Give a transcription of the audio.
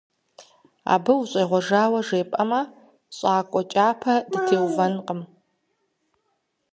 Абы ущӀегъуэжауэ жепӀэмэ, щӀакӀуэ кӀапэ дытеувэнкъым.